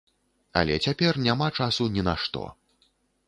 Але цяпер няма часу ні на што.